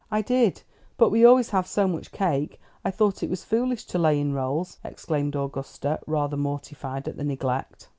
"I did, but we always have so much cake I thought it was foolish to lay in rolls," exclaimed Augusta, rather mortified at the neglect.